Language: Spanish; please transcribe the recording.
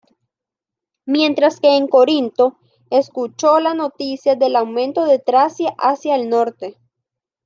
Mientras que en Corinto, escuchó la noticia del aumento de Tracia hacia el norte.